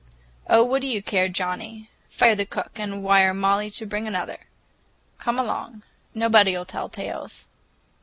"Oh, what do you care, Johnnie? Fire the cook and wire Molly to bring another. Come along, nobody'll tell tales."